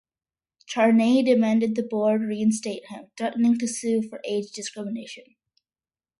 Charney demanded the board reinstate him, threatening to sue for age discrimination.